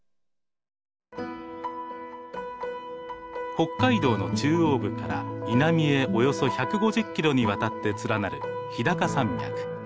北海道の中央部から南へおよそ１５０キロにわたって連なる日高山脈。